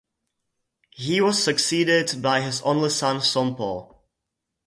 He was succeeded by his only son, Sompou.